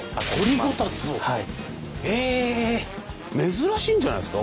珍しいんじゃないですか。